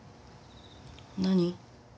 何？